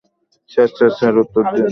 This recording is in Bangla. স্যার, স্যার, স্যার, উত্তর দিন।